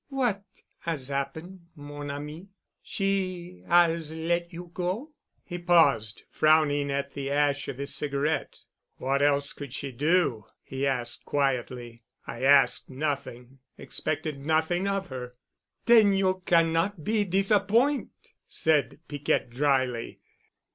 "What 'as happen', mon ami? She 'as let you go?" He paused, frowning at the ash of his cigarette. "What else could she do?" he asked quietly. "I asked nothing—expected nothing of her." "Then you cannot be disappoint'!" said Piquette dryly.